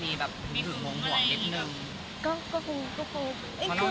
มีปิดฟงปิดไฟแล้วถือเค้กขึ้นมา